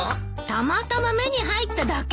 たまたま目に入っただけよ。